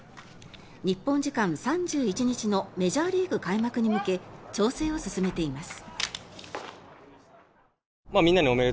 日本時間３１日のメジャーリーグ開幕に向け調整を進めています。